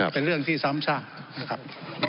เป็นเรื่องที่ซ้ำซากนะครับ